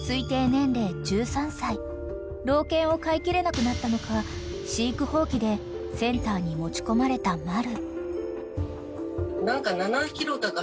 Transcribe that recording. ［老犬を飼いきれなくなったのか飼育放棄でセンターに持ち込まれたマル］